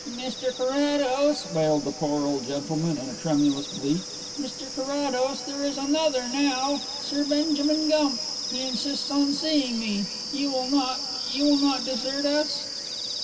"Mr Carrados," wailed the poor old gentleman in a tremulous bleat, "Mr Carrados, there is another now Sir Benjamin Gump. He insists on seeing me. You will not you will not desert us?"